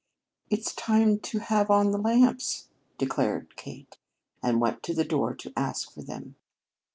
"It's time to have in the lamps," declared Kate; and went to the door to ask for them.